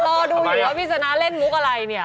ต่อดูอยู่แล้ววิศนาเล่นมุกอะไรเนี่ย